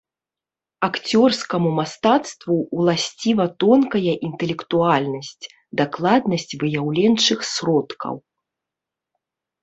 Акцёрскаму мастацтву уласціва тонкая інтэлектуальнасць, дакладнасць выяўленчых сродкаў.